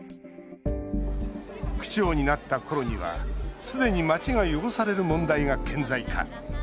区長になったころにはすでに街が汚される問題が顕在化。